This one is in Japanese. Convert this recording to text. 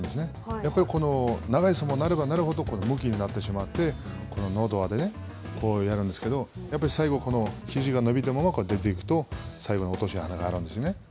やっぱり長い相撲になればなるほど、むきになってしまって、喉輪で、こうやるんですけど、やっぱり最後、このひじが、こうやって出ていくと、最後に落とし穴があるんですね。